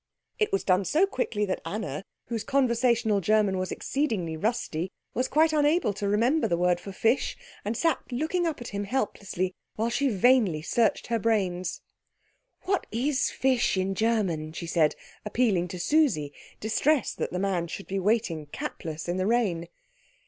It was done so quickly that Anna, whose conversational German was exceedingly rusty, was quite unable to remember the word for fish, and sat looking up at him helplessly, while she vainly searched her brains. "What is fish in German?" she said, appealing to Susie, distressed that the man should be waiting capless in the rain.